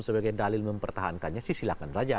sebagai dalil mempertahankannya silahkan saja